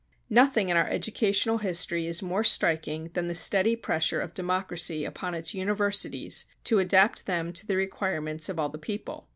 Nothing in our educational history is more striking than the steady pressure of democracy upon its universities to adapt them to the requirements of all the people.